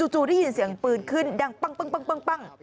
จู่ได้ยินเสียงปืนขึ้นดังปั้ง